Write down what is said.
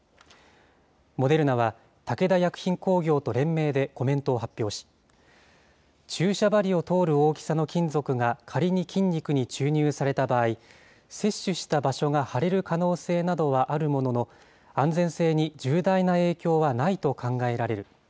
モデルナは、武田薬品工業と連名でコメントを発表し、注射針を通る大きさの金属が仮に筋肉に注入された場合、接種した場所が腫れる可能性などはあるものの、安全性に重大な影響はないと考えられる。